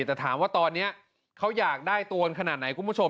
แต่ถามว่าตอนนี้เขาอยากได้ตัวขนาดไหนคุณผู้ชม